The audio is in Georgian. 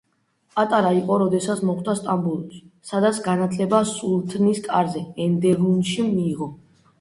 პატარა იყო როდესაც მოხვდა სტამბოლში, სადაც განათლება სულთნის კარზე, ენდერუნში მიიღო.